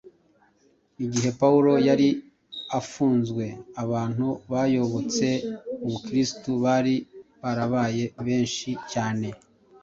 Igihe Pawulo yari afunzwe, abantu bayobotse Ubukristo bari barabaye benshi cyane